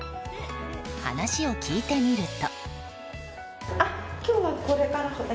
話を聞いてみると。